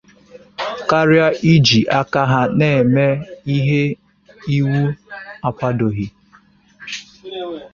karịa iji aka ha na-eme ihe iwu akwadòghị